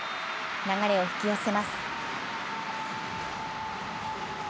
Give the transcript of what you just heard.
流れを引き寄せます。